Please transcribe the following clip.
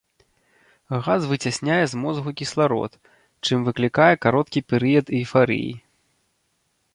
Газ выцясняе з мозгу кісларод, чым выклікае кароткі перыяд эйфарыі.